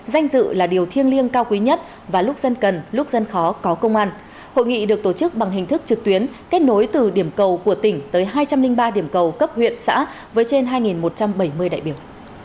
danh dự là điều thiêng liêng cao quý nhất và lúc dân cần lúc dân khó có công an hội nghị được tổ chức bằng hình thức trực tuyến kết nối từ điểm cầu của tỉnh tới hai trăm linh ba điểm cầu cấp huyện xã với trên hai một trăm bảy mươi đại biểu